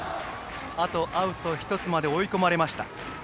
あとアウト１つまで追い込まれました。